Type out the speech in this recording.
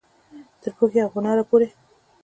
تر پوهې او هنره پورې.